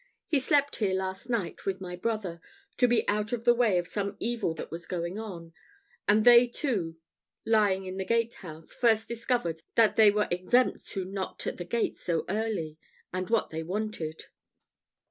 He slept here last night with my brother, to be out of the way of some evil that was going on, and they two lying in the gatehouse, first discovered that they were exempts who knocked at the gate so early, and what they wanted."